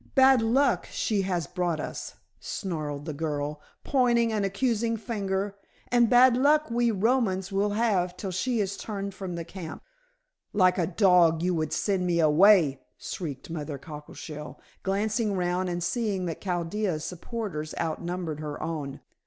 Bad luck she has brought us," snarled the girl, pointing an accusing finger. "And bad luck we Romans will have till she is turned from the camp." "Like a dog you would send me away," shrieked Mother Cockleshell, glancing round and seeing that Chaldea's supporters outnumbered her own.